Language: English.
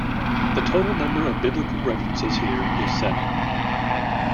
The total number of biblical references here is seven.